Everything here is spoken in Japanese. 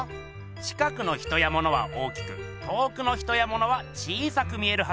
近くの人やものは大きく遠くの人やものは小さく見えるはずが。